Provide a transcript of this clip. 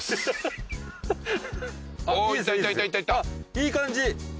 いい感じ！